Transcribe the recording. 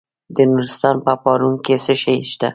د نورستان په پارون کې څه شی شته؟